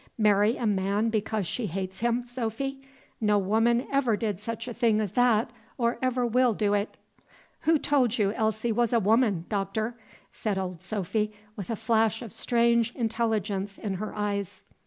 "Marry a man because she hates him, Sophy? No woman ever did such a thing as that, or ever will do it." "Who tol' you Elsie was a woman, Doctor?" said old Sophy, with a flash of strange intelligence in her eyes.